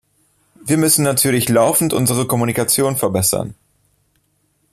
Wir müssen natürlich laufend unsere Kommunikation verbessern.